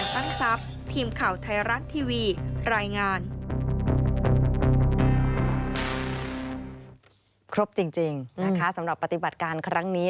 ครบจริงนะคะสำหรับปฏิบัติการครั้งนี้